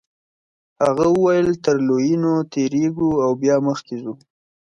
هغه وویل تر لویینو تیریږو او بیا مخکې ځو.